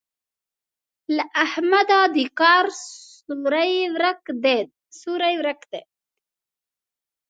له احمده د کار سوری ورک دی.